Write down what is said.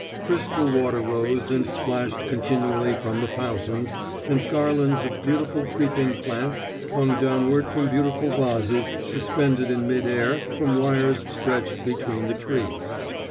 Crystal water rose and splashed continually from the fountains, and garlands of beautiful creeping plants hung downward from beautiful vases, suspended in mid air from wires stretched between the trees.